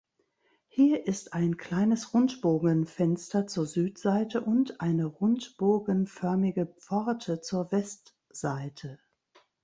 Hier ist ein kleines Rundbogenfenster zur Südseite und eine rundbogenförmige Pforte zur Westseite.